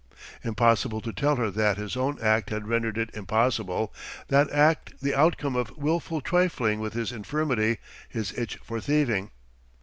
Impossible to tell her that: his own act had rendered it impossible, that act the outcome of wilful trifling with his infirmity, his itch for thieving.